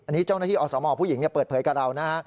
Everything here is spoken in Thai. อันนี้เจ้าหน้าที่อสมผู้หญิงเปิดเผยกับเรานะฮะ